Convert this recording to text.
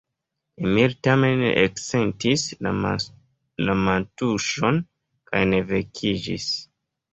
Emil tamen ne eksentis la mantuŝon kaj ne vekiĝis.